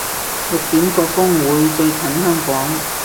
六點個風會最近香港